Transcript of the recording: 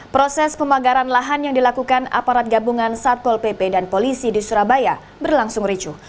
proses pemagaran lahan yang dilakukan aparat gabungan satpol pp dan polisi di surabaya berlangsung ricuh